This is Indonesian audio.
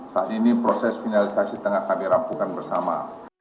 saat ini proses finalisasi tengah kami rampukan bersama